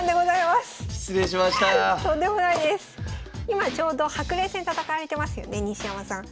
今ちょうど白玲戦戦われてますよね西山さん。